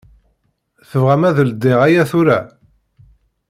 Tebɣam ad ldiɣ aya tura?